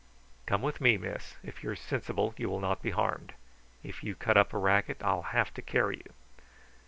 "Come with me, miss. If you are sensible you will not be harmed. If you cut up a racket I'll have to carry you."